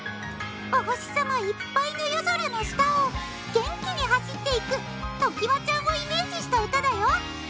お星さまいっぱいの夜空の下を元気に走っていくときわちゃんをイメージした歌だよ。